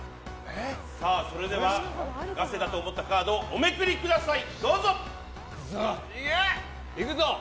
それではガセだと思ったカードをおめくりください。